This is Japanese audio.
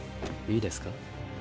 いいですか？